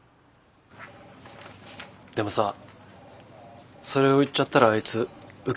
でもさそれを言っちゃったらあいつ受けないでしょパナマ。